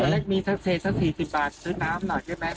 เล็กมีเศษสัก๔๐บาทซื้อน้ำหน่อยใช่ไหม